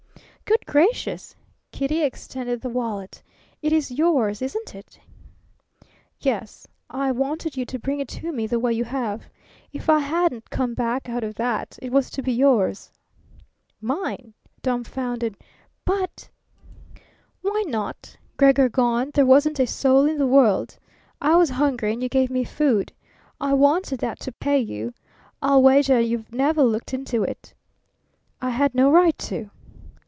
"Good gracious!" Kitty extended the wallet. "It is yours, isn't it?" "Yes. I wanted you to bring it to me the way you have. If I hadn't come back out of that it was to be yours." "Mine?" dumfounded. "But " "Why not? Gregor gone, there wasn't a soul in the world. I was hungry, and you gave me food. I wanted that to pay you. I'll wager you've never looked into it." "I had no right to."